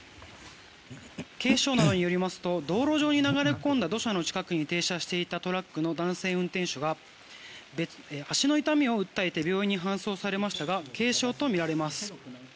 警視庁などによりますと道路上に流れ込んだ土砂の近くに停車していたトラックの男性運転手が足の痛みを訴えて病院に搬送されましたが軽傷とみられます。